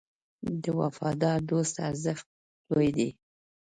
د وفادار دوست ارزښت لوی دی.